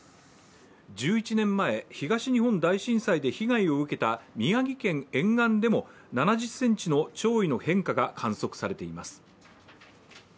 １１年前、東日本大震災で被害を受けた宮城県沿岸でも７０ｃｍの潮位の変化が観測されています。